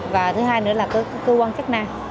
và thứ hai nữa là cơ quan chất năng